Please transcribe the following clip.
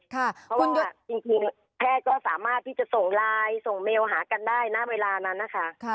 เพราะว่าจริงแพทย์ก็สามารถที่จะส่งไลน์ส่งเมลหากันได้ณเวลานั้นนะคะ